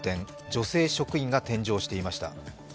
女性職員が添乗していました。